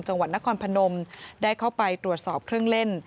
จังหวัดนครพนมได้เข้าไปตรวจสอบเครื่องเล่น